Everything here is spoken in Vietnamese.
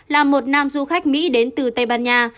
là một nam du khách mỹ đến từ tây ban nha